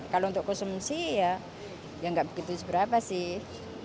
kalau untuk konsumsi ya nggak begitu seberapa sih